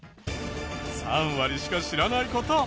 ３割しか知らない事。